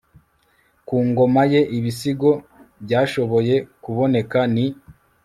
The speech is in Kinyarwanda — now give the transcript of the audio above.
ku ngoma ye ibisigo byashoboye kuboneka ni